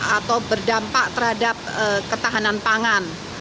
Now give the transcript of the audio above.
atau berdampak terhadap ketahanan pangan